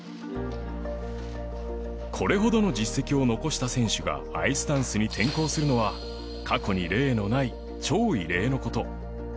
これほどの実績を残した選手がアイスダンスに転向するのは過去に例のない超異例の事